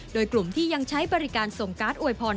โดยกลุ่มที่ยังใช้บริการส่งการ์ดอวยพร